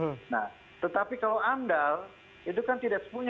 ada konsultan di situ yang kerjanya bisa berapa lama ada biaya biaya di situ yang tidak sepenuhnya